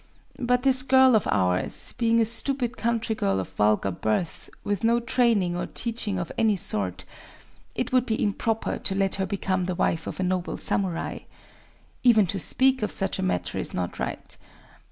But this girl of ours, being a stupid country girl of vulgar birth, with no training or teaching of any sort, it would be improper to let her become the wife of a noble samurai. Even to speak of such a matter is not right...